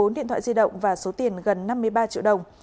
một mươi bốn điện thoại di động và số tiền gần năm mươi ba triệu đồng